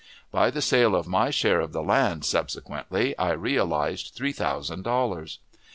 By the sale of my share of the land, subsequently, I realized three thousand dollars.